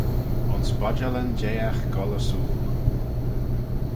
Ayns bodjallyn jaagh goll ersooyl.